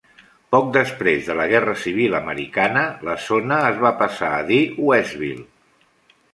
Poc després de la Guerra Civil Americana, la zona es va passar a dir Westville.